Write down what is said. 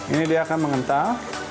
ini dia akan mengental